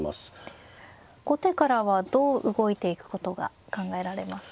後手からはどう動いていくことが考えられますか？